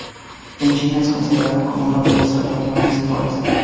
En China, es considerado como uno de los tratados más desiguales.